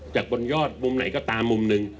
บนยอดมุมไหนก็ตามมุมหนึ่ง